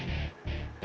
tenang aja bu